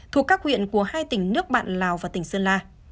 thuộc các huyện của hai tỉnh nước bạn lào và tỉnh sơn la